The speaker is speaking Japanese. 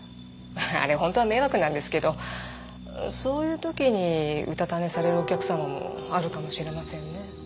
あれ本当は迷惑なんですけどそういう時にうたた寝されるお客様もあるかもしれませんね。